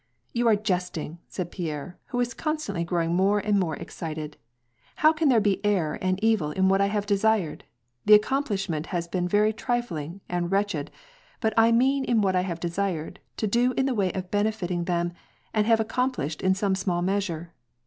*' You are jesting," said Pierre, who was constantly growing more and more excited, " how can there be error and evil in what I have desired — the accomplishment has been very trifling and wretched; but I mean in what I have desired to do in the way of benefiting them, and have accomplished in some small measure